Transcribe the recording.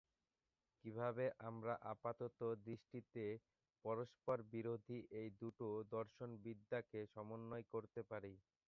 কীভাবে আমরা আপাতদৃষ্টিতে পরস্পরবিরোধী এই দুটো দর্শনবিদ্যাকে সমন্বয় করতে পারি?